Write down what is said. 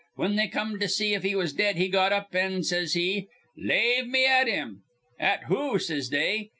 Whin they come to see if he was dead, he got up, an' says he: 'Lave me at him.' 'At who?' says they.